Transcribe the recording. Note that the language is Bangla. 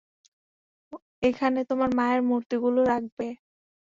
এখানে, তোমার মায়ের মূর্তিগুলো রাখবে।